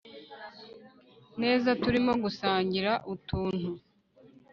neza turimo gusangira utuntu